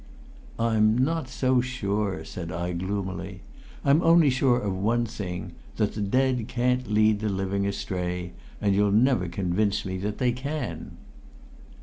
"I'm not so sure," said I gloomily. "I'm only sure of one thing that the dead can't lead the living astray and you'll never convince me that they can."